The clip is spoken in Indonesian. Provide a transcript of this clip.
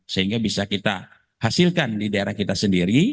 sehingga bisa kita hasilkan di daerah kita sendiri